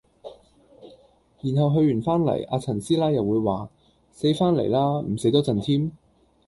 然後去完番嚟,阿陳師奶又會話：死番嚟啦，唔死多陣添?